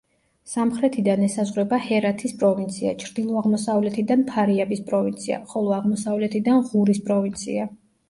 სამხრეთიდან ესაზღვრება ჰერათის პროვინცია, ჩრდილო-აღმოსავლეთიდან ფარიაბის პროვინცია, ხოლო აღმოსავლეთიდან ღურის პროვინცია.